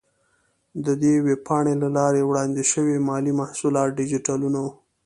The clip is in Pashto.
د دې ویب پاڼې له لارې وړاندې شوي مالي محصولات ډیجیټلونه،